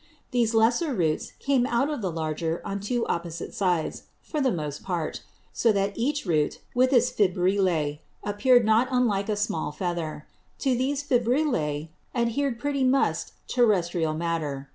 These lesser Roots came out of the larger on two opposite sides, for the most part; so that each Root, with its Fibrillæ, appear'd not unlike a small Feather. To these Fibrillæ adher'd pretty must Terrestrial Matter.